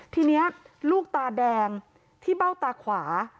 ทีนี้ลูกตาแดงที่เบ้าตาขวา